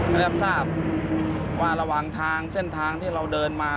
ได้รับทราบว่าระหว่างทางเส้นทางที่เราเดินมา